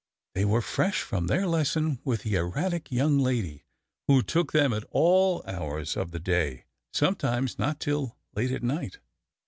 They were fresh from their lesson with the erratic young lady, who took them at all hours of the day, sometimes not till late at night.